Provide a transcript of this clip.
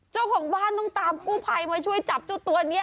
เจ้าของบ้านต้องตามกู้ภัยมาช่วยจับเจ้าตัวนี้